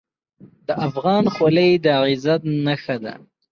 د افغان خولۍ د عزت نښه ده.